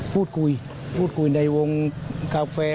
พูดคุยพูดคุยในวงกาแฟ